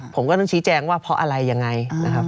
ผมก็ต้องชี้แจงว่าเพราะอะไรยังไงนะครับ